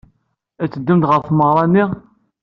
I teddumt ɣer tmeɣra-nni?